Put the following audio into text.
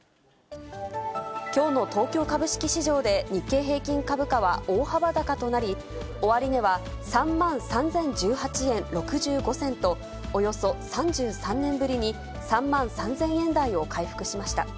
きょうの東京株式市場で、日経平均株価は大幅高となり、終値は３万３０１８円６５銭と、およそ３３年ぶりに３万３０００円台を回復しました。